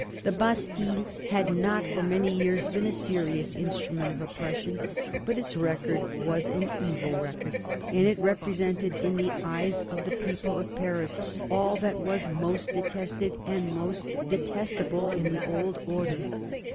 The Bastille had not for many years been a serious instrument of oppression, but its record was an evil record, and it represented in the eyes of the people of Paris all that was most detested and most detestable in the old order.